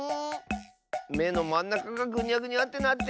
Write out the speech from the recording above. めのまんなかがぐにゃぐにゃってなってる！